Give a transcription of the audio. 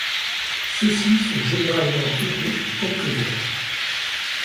Ceux-ci sont généralement complets en quelques heures.